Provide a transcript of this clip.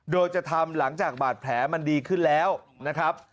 โดยจะทำหลังจากบาดแผลมันดีขึ้นแล้วนะครับ